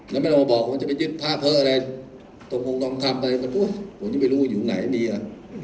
แล้วไม่ต้องมาบอกว่ามันจะไปยึดพระเผลออะไรตรงองค์ลองคำอะไรก็แหว่โอ๊ยผมยังไม่รู้อยู่ไหนมีอ่ะ